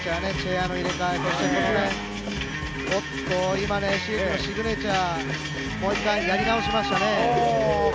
今、シグネチャー、もう一回やり直しましたね。